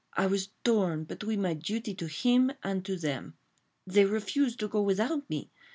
. I was torn between my duty to him, and to them. They refused to go without me